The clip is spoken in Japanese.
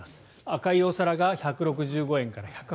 赤いお皿が１６５円から１８０円